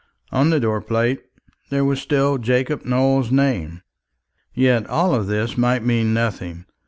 On the door plate there was still Jacob Nowell's name. Yet all this might mean nothing.